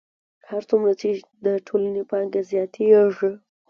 هر څومره چې د ټولنې پانګه زیاتېږي